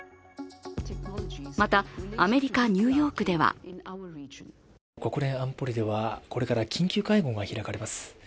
また、アメリカ・ニューヨークでは国連安保理ではこれから緊急会合が開かれます。